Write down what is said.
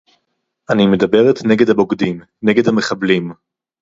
אני מדברת נגד הבוגדים, נגד המחבלים